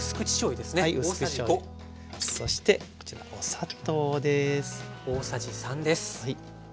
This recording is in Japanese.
そしてこちらお砂糖です。